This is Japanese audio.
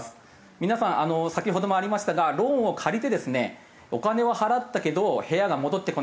皆さん先ほどもありましたがローンを借りてですねお金を払ったけど部屋が戻ってこない。